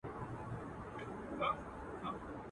په کور کي نه کورت، نه پياز، ارږى د واز.